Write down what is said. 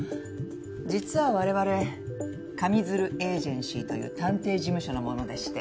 実は我々上水流エージェンシーという探偵事務所の者でして。